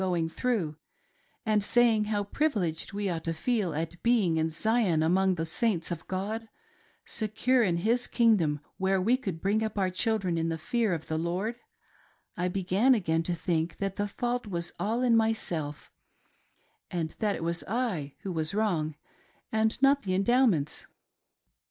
going through, and saying how privileged we ought to feel at being in Zion among the Saints of God, secure in His Kingdom where we could bring up our children in the fear of the Lord, I began again to think that the fault was all in myself, and that it was I who was wrong and not the Endowments.